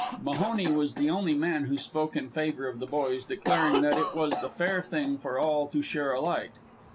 Mahoney was the only man who spoke in favour of the boys, declaring that it was the fair thing for all to share alike.